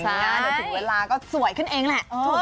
ถึงเวลาก็สวยขึ้นเองแหละ